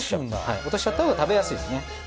落としちゃったほうが食べやすいですね。